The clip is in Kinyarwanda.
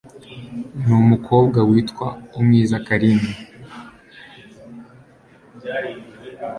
n'umukobwa witwa Umwiza Carine.